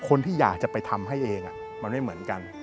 คนที่อยากจะไปทำให้เองมันไม่เหมือนกัน